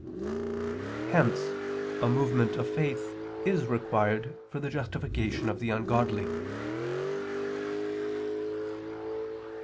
Hence a movement of faith is required for the justification of the ungodly.